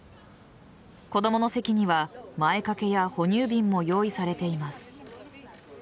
子供の席には前掛けや哺乳瓶も用意されています。